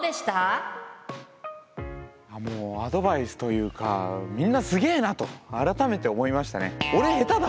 もうアドバイスというかみんなすげえなと改めて思いましたね。